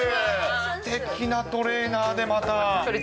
すてきなトレーナーで、また。